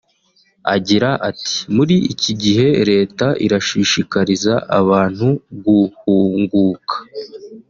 Agira ati “Muri iki gihe Leta irashishikariza abantu guhunguka